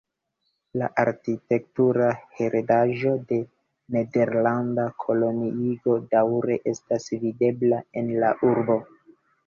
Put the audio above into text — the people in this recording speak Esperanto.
La arkitektura heredaĵo de nederlanda koloniigo daŭre estas videbla en la urbo.